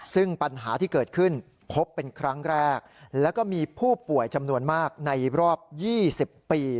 ซึ่งปัญหาที่เกิดขึ้นพบเป็นครั้งแรกแล้วก็มีผู้ป่วยจำนวนมากในรอบ๒๐ปี